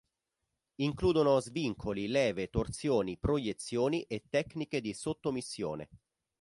Includono svincoli, leve, torsioni, proiezioni e tecniche di sottomissione.